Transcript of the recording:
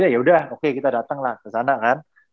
ya udah oke kita datang lah kesana kan